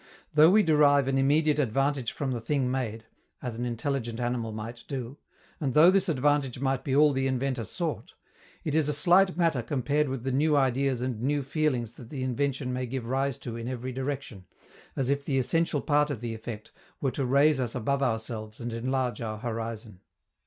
Though we derive an immediate advantage from the thing made, as an intelligent animal might do, and though this advantage be all the inventor sought, it is a slight matter compared with the new ideas and new feelings that the invention may give rise to in every direction, as if the essential part of the effect were to raise us above ourselves and enlarge our horizon.